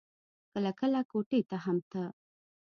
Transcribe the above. کله کله کوټې ته هم ته.